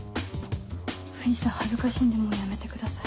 藤さん恥ずかしいんでもうやめてください。